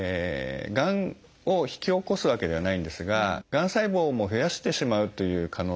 がんを引き起こすわけではないんですががん細胞も増やしてしまうという可能性があるんですね。